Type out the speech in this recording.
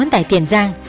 tại tiền giang